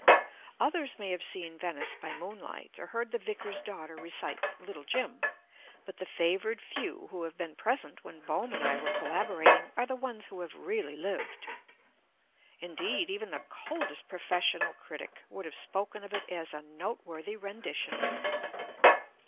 Others may have seen Venice by moonlight, or heard the Vicar's daughter recite "Little Jim," but the favoured few who have been present when Bohm and I were collaborating are the ones who have really lived. Indeed, even the coldest professional critic would have spoken of it as "a noteworthy rendition."